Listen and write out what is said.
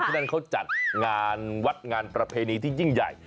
นั่นเขาจัดงานวัดงานประเพณีที่ยิ่งใหญ่